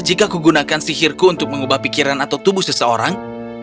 jika aku gunakan sihirku untuk mengubah pikiran atau tubuh seseorang